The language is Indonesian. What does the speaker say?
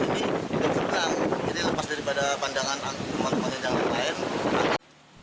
dan yang satu masih tanah ini jadi lepas daripada pandangan teman teman yang lain